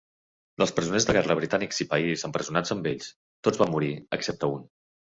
Dels presoners de guerra britànics sipais empresonats amb ells, tots van morir, excepte un.